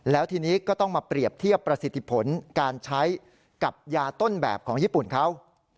แล้วทีนี้ก็ต้องมาเปรียบเทียบประสิทธิผลการใช้กับยาต้นแบบของญี่ปุ่นเขา